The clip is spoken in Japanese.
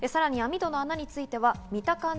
さらに網戸の穴については見た感じ